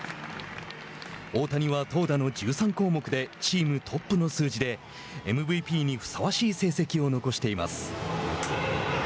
大谷は投打の１３項目でチームトップの数字でＭＶＰにふさわしい成績を残しています。